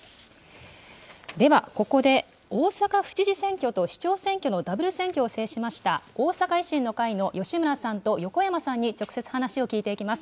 では、ここで、大阪府知事選挙と市長選挙のダブル選挙を制しました、大阪維新の会の吉村さんと横山さんに直接、話を聞いていきます。